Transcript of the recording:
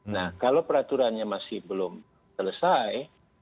nah kalau peraturannya masih belum selesai